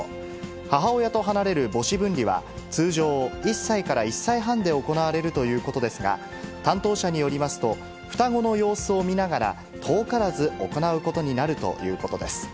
母親と離れる母子分離は、通常、１歳から１歳半で行われるということですが、担当者によりますと、双子の様子を見ながら、遠からず、行うことになるということです。